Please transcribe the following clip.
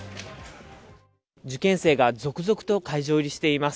受験生が続々と会場入りしています。